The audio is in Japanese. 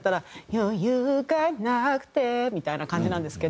「余裕がなくて」みたいな感じなんですけど。